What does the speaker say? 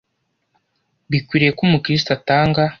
bikwiriye ko umukristo atanga